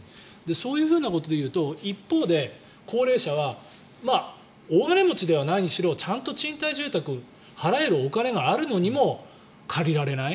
そういうふうなことでいうと一方で高齢者は大金持ちではないにしろちゃんと賃貸住宅払えるお金があるのに借りられない。